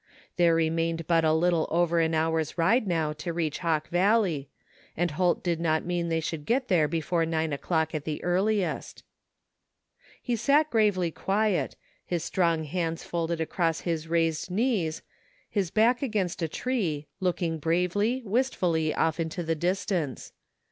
There remained but a little over an 77 THE FINDING OF JASPER HOLT hour's ride now to reach Hawk Valley, and Holt did not mean they should get there before nine o^dock at the earliest He sat gravely quiet, his strong hands folded across his raised knees, his back against a tree, looking bravely, wistfully, off into the distance.